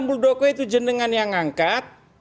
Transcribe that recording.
muldoko itu jenengan yang angkat